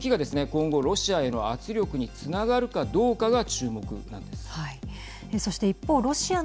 今後、ロシアへの圧力につながるかどうかが注目なんです。